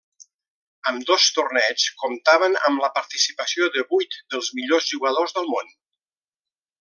Ambdós torneigs comptaven amb la participació de vuit dels millors jugadors del món.